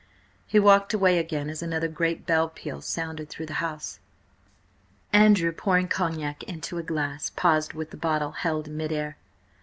He walked away again as another great bell peal sounded through the house. Andrew, pouring cognac into a glass, paused with bottle held in mid air.